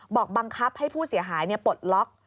บังคับให้ผู้เสียหายปลดล็อก